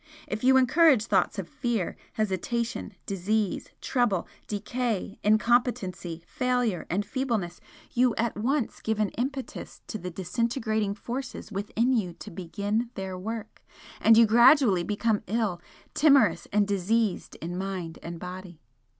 If you encourage thoughts of fear, hesitation, disease, trouble, decay, incompetency, failure and feebleness, you at once give an impetus to the disintegrating forces within you to begin their work and you gradually become ill, timorous, and diseased in mind and body.